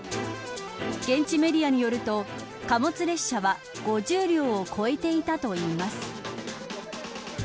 現地メディアによると貨物列車は５０両を超えていたといいます。